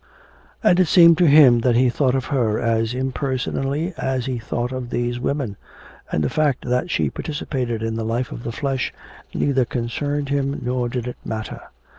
And it seemed to him that he thought of her as impersonally as he thought of these women, and the fact that she participated in the life of the flesh neither concerned him nor did it matter.